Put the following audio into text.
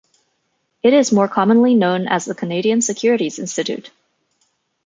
It is more commonly known as the Canadian Securities Institute.